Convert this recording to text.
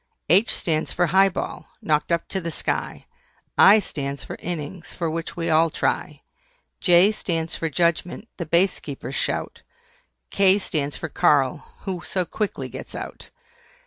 H stands for HIGH BALL, knocked up to the sky. I stands for INNINGS, for which we all try. J stands for JUDGEMENT, the Base Keeper's shout. K stands for KARL, who so quickly gets out.